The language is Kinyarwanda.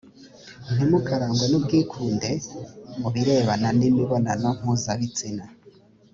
ntimukarangwe n ubwikunde mu birebana n imibonano mpuzabitsina